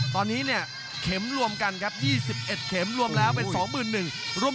ตอนนี้เนี่ยเข็มรวมกันครับ๒๑เข็มรวมแล้วเป็น๒๑๐๐รวม